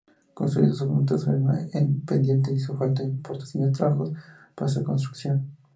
Construido sobre un terreno en pendiente, hizo falta importantes trabajos para su construcción.